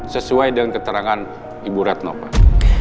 sesuai dengan keterangan ibu retno pak